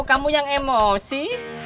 kamu yang emosi